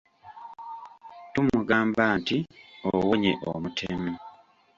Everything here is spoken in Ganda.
Tumugamba nti, owonye omutemu!